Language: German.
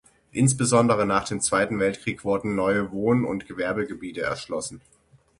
Insbesondere nach dem Zweiten Weltkrieg wurden neue Wohn- und Gewerbegebiete erschlossen.